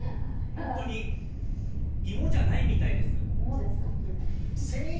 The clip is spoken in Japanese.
本当に、芋じゃないみたいです。